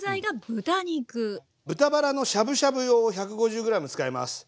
豚バラのしゃぶしゃぶ用を１５０ｇ使います。